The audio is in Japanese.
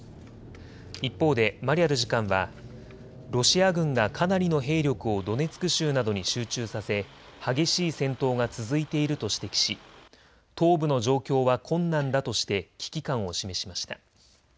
一方でマリャル次官はロシア軍がかなりの兵力をドネツク州などに集中させ激しい戦闘が続いていると指摘し東部の状況は困難だとして危機感を示しました。